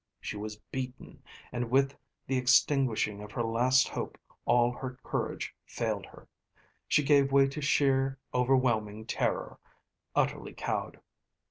She was beaten and with the extinguishing of her last hope all her courage failed her. She gave way to sheer, overwhelming terror, utterly cowed.